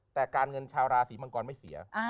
แต่การเงินชาวราศีมังกรไม่เสีย